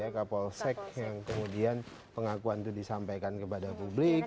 kapolsek yang kemudian pengakuan itu disampaikan kepada publik